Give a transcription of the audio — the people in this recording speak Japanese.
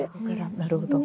なるほど。